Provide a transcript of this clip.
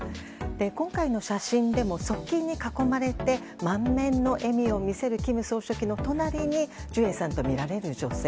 今回の写真でも側近に囲まれて満面の笑みを見せる金総書記の隣にジュエさんとみられる女性。